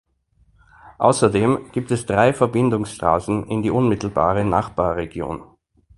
Außerdem gibt es drei Verbindungsstraßen in die unmittelbare Nachbarregion.